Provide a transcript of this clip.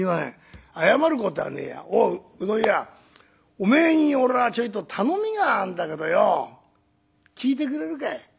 おめえに俺はちょいと頼みがあんだけどよ聞いてくれるか？」。